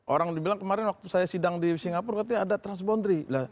orang dibilang kemarin waktu saya sidang di singapura katanya ada transboundry